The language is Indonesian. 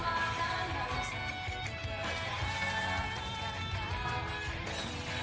diri kepada kita